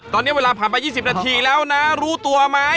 ตอนนี้เวลาผ่านไป๒๐นาทีแล้วนะรู้ตัวไหม